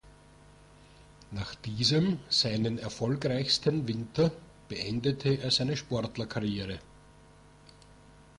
Nach diesem seinen erfolgreichsten Winter beendete er seine Sportlerkarriere.